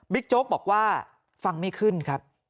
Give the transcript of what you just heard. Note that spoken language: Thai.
โจ๊กบอกว่าฟังไม่ขึ้นครับ